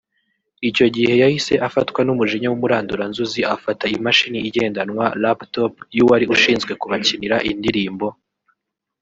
Icyo gihe yahise afatwa n’umujinya w’umuranduranzuzi afata imashini igendanwa (lap top) y’uwari ushinzwe kubakinira indirimbo